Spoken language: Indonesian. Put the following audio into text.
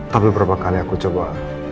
tapi berapa kali aku coba